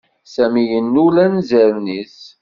Sami yennul anzaren-is.